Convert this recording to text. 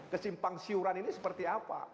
kesimpang siuran ini seperti apa